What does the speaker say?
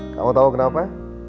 kamu tau kenapa